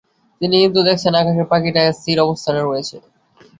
তিনি কিন্তু দেখছেন আকাশের পাখিটি স্থির অবস্থানে রয়েছে।